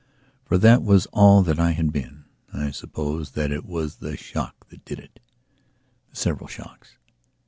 For that was all that I had been. I suppose that it was the shock that did itthe several shocks.